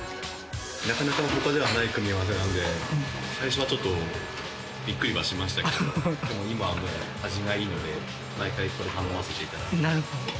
なかなか他ではない組み合わせなので最初はちょっとビックリはしましたけどでも今はもう味がいいので毎回これ頼ませていただく。